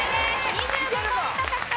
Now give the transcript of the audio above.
２５ポイント獲得。